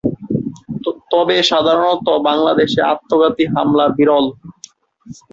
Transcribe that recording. তবে সাধারণত বাংলাদেশে আত্মঘাতী হামলা বিরল।